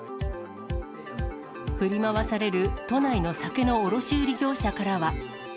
振り回される都内の酒の卸売り業者からは。